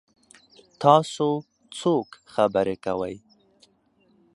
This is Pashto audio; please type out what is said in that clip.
تاسو څوک خبرې کوي؟